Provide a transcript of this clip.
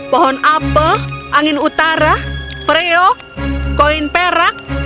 pohon apel angin utara freo koin perak